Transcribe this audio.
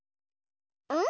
うん？